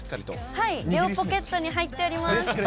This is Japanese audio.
ただ、両ポケットに入っております。